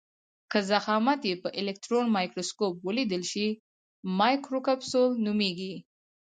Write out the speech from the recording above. که ضخامت یې په الکټرون مایکروسکوپ ولیدل شي مایکروکپسول نومیږي.